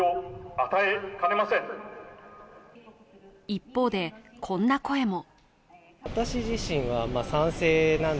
一方でこんな声も。